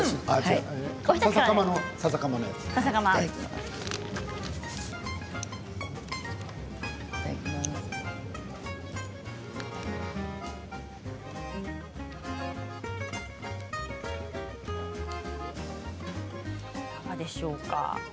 いかがでしょうか。